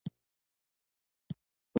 بېګا زموږ ماشوم مړ شو.